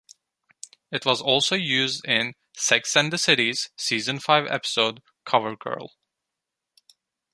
It was also used in "Sex and the City"'s season five episode "Cover Girl".